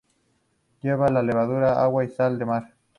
Lleva levadura, agua y sal de mar.